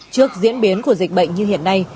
trước diễn biến của dịch bệnh như hiện nay